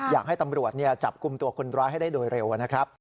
อยากให้ตำรวจจับกลุ่มตัวคนร้ายให้ได้โดยเร็วนะครับ